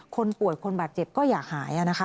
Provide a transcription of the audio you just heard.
คนป่วยคนบาดเจ็บก็อย่าหายนะคะ